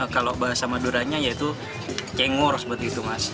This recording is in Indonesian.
kalau bahasa maduranya yaitu cengor seperti itu mas